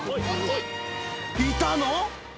いたの？